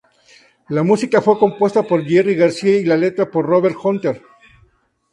La música fue compuesta por Jerry Garcia y la letra por Robert Hunter.